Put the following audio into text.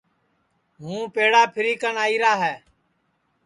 ہُو پیڑا پھری کن آئیرا ہے